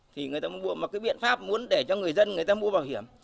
thì người ta mới mua mà cái biện pháp muốn để cho người dân người ta mua bảo hiểm